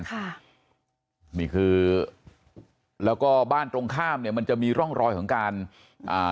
ค่ะนี่คือแล้วก็บ้านตรงข้ามเนี้ยมันจะมีร่องรอยของการอ่า